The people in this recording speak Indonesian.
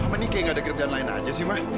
mama nih kayak gak ada kerjaan lain aja sih ma